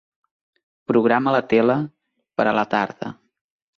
Programa la tele per a la tarda.